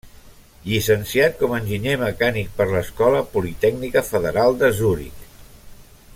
Llicenciat com enginyer mecànic per l'Escola Politècnica Federal de Zuric.